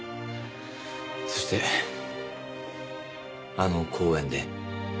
そしてあの公園で。